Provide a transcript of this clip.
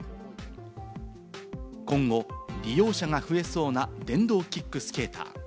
今後、利用者が増えそうな電動キックスケーター。